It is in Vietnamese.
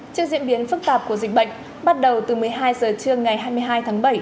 trước diễn biến phức tạp của dịch bệnh bắt đầu từ một mươi hai giờ trưa ngày hai mươi hai tháng bảy